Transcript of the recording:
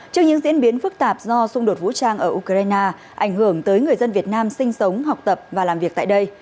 trước những diễn biến phức tạp do xung đột vũ trang ở ukraine ảnh hưởng tới người dân việt nam sinh sống học tập và làm việc tại đây